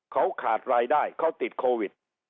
เขาขาดรายได้เขาติดโควิด